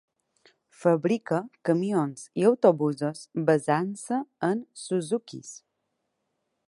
Fabrica camions i autobusos basant-se en Suzukis.